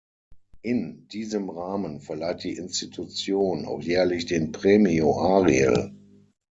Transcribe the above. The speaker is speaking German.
In diesem Rahmen verleiht die Institution auch jährlich den Premio Ariel.